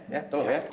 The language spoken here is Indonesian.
ya tolong ya